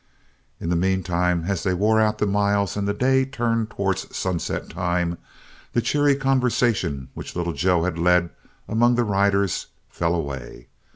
In the meantime, as they wore out the miles and the day turned towards sunset time, the cheery conversation which Little Joe had led among the riders fell away.